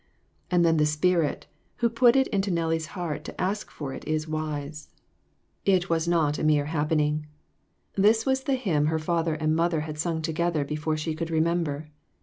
And then the Spirit who put it into Nellie's heart to ask for it is wise. It A MODERN MARTYR. 373 was not a mere happening. This was the hymn her father and mother had sung together before she could remember.